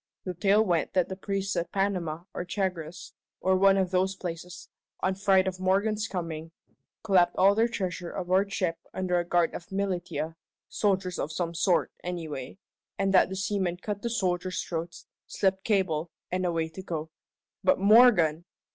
The tale went that the priests at Panama or Chagres, or one of those places, on fright of Morgan's coming, clapped all their treasure aboard ship under a guard of militia soldiers of some sort, anyway and that the seamen cut the soldiers' throats, slipped cable, and away to go. But Morgan!